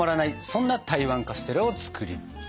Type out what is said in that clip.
そんな台湾カステラを作ります。